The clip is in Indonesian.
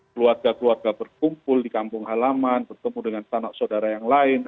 keluarga keluarga berkumpul di kampung halaman bertemu dengan anak saudara yang lain